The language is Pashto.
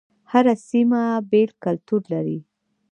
هر سيمه بیل کلتور لري